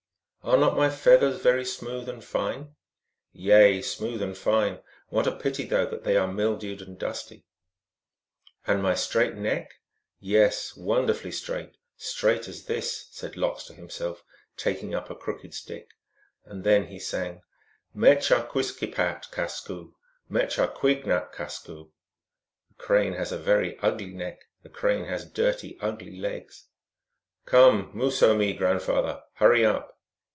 " Are not my feathers very smooth and fine ?" 44 Yea, smooth and fine ; what a pity, though, that they are mildewed and dusty !"" And my straight neck ?"" Yes, wonderfully straight, straight as this" said Lox to himself, taking up a crooked stick. And then he sang :" Mecha guiskipat kasqu , Mecha quig nat kasqu ." 154 THE ALGONQUIN LEGENDS. The Crane has a very ugly neck, The Crane has dirty, ugly legs. "Come, mooso me (grandfather), hurry up!